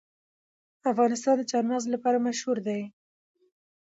افغانستان د چار مغز لپاره مشهور دی.